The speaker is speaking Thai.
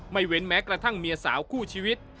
เว้นแม้กระทั่งเมียสาวคู่ชีวิต